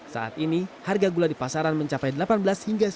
saat ini harga gula di pasaran mencari penyelenggaraan